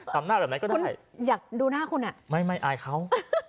ทำหน้าแบบนั้นก็ได้อยากดูหน้าคุณอ่ะไม่ไม่อายเขา